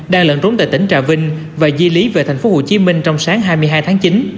đang lận trốn tại tỉnh trà vinh và di lý về tp hcm trong sáng hai mươi hai tháng chín